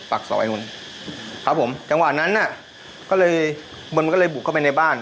ปากซอยนู้นครับผมจังหวะนั้นน่ะก็เลยมันก็เลยบุกเข้าไปในบ้าน